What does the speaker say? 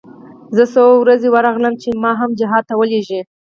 زه څو وارې ورغلم چې ما هم جهاد ته ولېږي.